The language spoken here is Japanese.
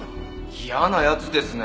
嫌な奴ですね。